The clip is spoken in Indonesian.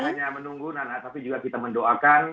kita tidak hanya menunggu tapi juga kita mendoakan